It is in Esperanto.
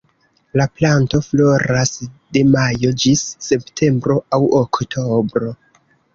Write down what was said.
La planto floras de majo ĝis septembro aŭ oktobro.